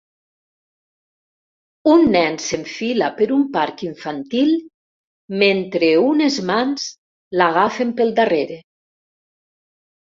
Un nen s'enfila per un parc infantil mentre unes mans l'agafen pel darrere.